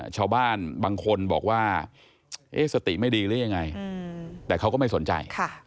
ชาวบ้านบางคนบอกว่าสติไม่ดีหรือยังไงแต่เขาก็ไม่สนใจ